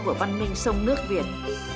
của văn minh sông nước việt